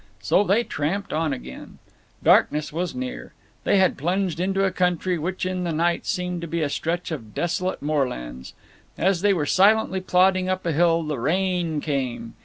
So they tramped on again. Darkness was near. They had plunged into a country which in the night seemed to be a stretch of desolate moorlands. As they were silently plodding up a hill the rain came.